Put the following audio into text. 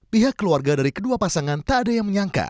pihak keluarga dari kedua pasangan tak ada yang menyangka